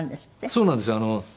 そうなんですよ。